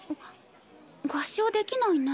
合掌できないね。